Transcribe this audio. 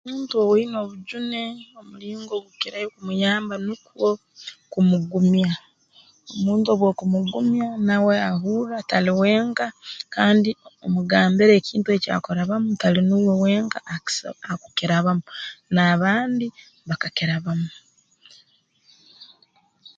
Omuntu owaine obujune omulingo ogurukukirayo kumuyamba nukwo kumugumya omuntu obu okumugumya nawe ahurra tali wenka kandi omugambira ekintu ekyakurabamu tali nuwe wenka akus akukirabamu n'abandi bakakirabamu